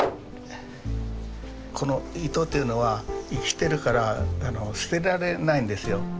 この糸というのは生きてるから捨てられないんですよ。